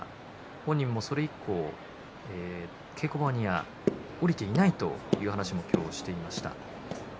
本人もそれ以降稽古場には下りていないという話を今日していました。